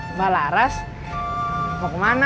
mbak laras mau kemana